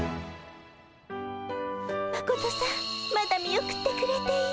マコトさんまだ見送ってくれている。